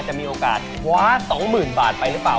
จะมีโอกาสคว้า๒๐๐๐บาทไปหรือเปล่า